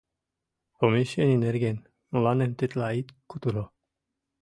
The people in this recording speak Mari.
Помещений нерген мыланем тетла ит кутыро.